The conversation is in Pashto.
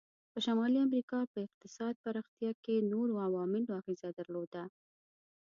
په شمالي امریکا په اقتصاد پراختیا کې نورو عواملو اغیزه درلوده.